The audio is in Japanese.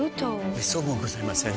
めっそうもございません。